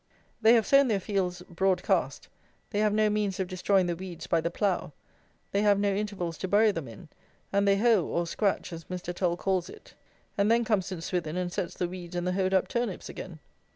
They have sown their fields broad cast; they have no means of destroying the weeds by the plough; they have no intervals to bury them in; and they hoe, or scratch, as Mr. Tull calls it; and then comes St. Swithin and sets the weeds and the hoed up turnips again.